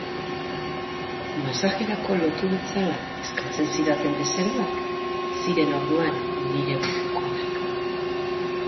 Masajerako lotu nitzala eskatzen zidaten bezeroak ziren orduan nire gogokoenak.